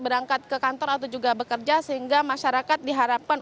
berangkat ke kantor atau juga bekerja sehingga masyarakat diharapkan